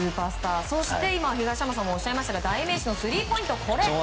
そして東山さんもおっしゃいましたが代名詞のスリーポイント。